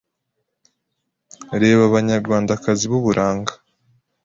Reba abanyarwandakazi b’uburanga